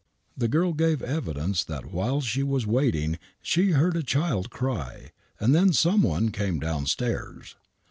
The girl gave evidence that while she was waiting she heard a child cry, and then someone came downstairs.